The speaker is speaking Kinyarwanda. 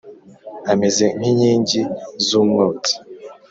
Ameze nk’inkingi z’umwotsi